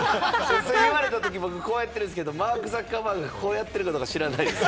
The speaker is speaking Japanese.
言われたとき、僕こうやってるんですけれども、マーク・ザッカーバーグがこうやってるか僕知らない。